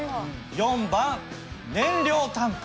４番燃料タンク。